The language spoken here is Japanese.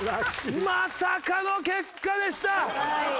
まさかの結果でした！